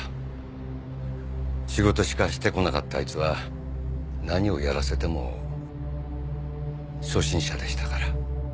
仕事しかしてこなかったあいつは何をやらせても初心者でしたから。